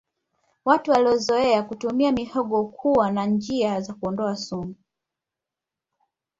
watu waliozoea kutumia mihogo huwa na njia za kuondoa sumu